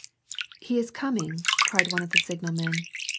He is coming," cried one of the signal men.